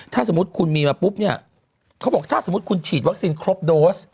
ถ้าสมมุติคุณมีมาปุ๊บเนี่ยเขาบอกถ้าสมมุติคุณฉีดวัคซีนครบโดส